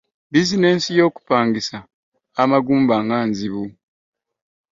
Bizinensi yo kupangisa amagumba nga nzibu.